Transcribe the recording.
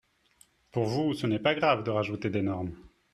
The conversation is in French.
Pour vous, ce n’est pas grave de rajouter des normes